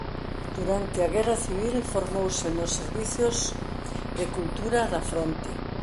Durante a Guerra Civil formouse nos Servizos de Cultura da Fronte.